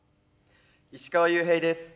石川裕平です。